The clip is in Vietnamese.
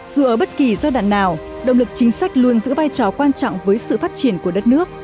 dù ở bất kỳ giai đoạn nào động lực chính sách luôn giữ vai trò quan trọng với sự phát triển của đất nước